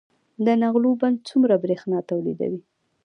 د نغلو بند څومره بریښنا تولیدوي؟